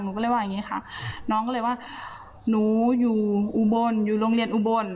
หนูก็เลยว่าอย่างนี้ค่ะน้องก็เลยว่าหนูอยู่อุบลอยู่โรงเรียนอุบล